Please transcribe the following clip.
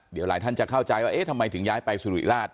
เดี๋ยวหลายท่านจะเข้าใจว่าเอ๊ะทำไมถึงย้ายไปสุริราช